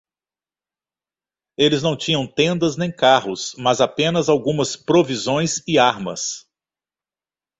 Eles não tinham tendas nem carros, mas apenas algumas provisões e armas.